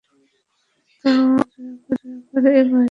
তাও আবার এই বয়সে।